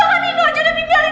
ini jatuh gini